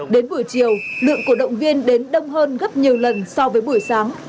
đến buổi chiều lượng cổ động viên đến đông hơn gấp nhiều lần so với buổi sáng